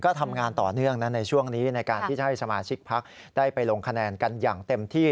ก็ทำงานต่อเนื่องนะในช่วงนี้ในการที่จะให้สมาชิกพักได้ไปลงคะแนนกันอย่างเต็มที่